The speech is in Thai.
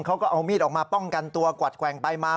เขาก็เอามีดออกมาป้องกันตัวกวัดแกว่งไปมา